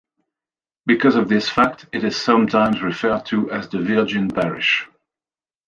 Because of this fact, it is sometimes referred to as "The Virgin Parish".